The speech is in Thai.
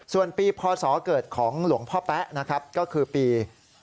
ส่วนปีพศเกิดของหลวงพ่อแป๊ะนะครับก็คือปี